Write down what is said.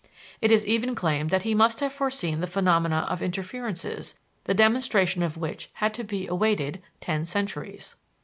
It is even claimed that he must have foreseen the phenomena of interferences, the demonstration of which had to be awaited ten centuries.